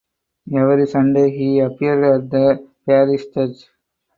Every Sunday he appeared at the parish church.